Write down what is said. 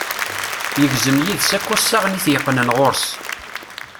Yegzem yid-s akk assaɣen i t-yeqqnen ɣur-s.